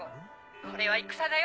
これは戦だよ